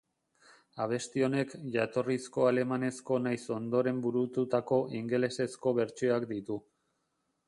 Abesti honek jatorrizko alemanezko nahiz ondoren burututako ingelesezko bertsioak ditu.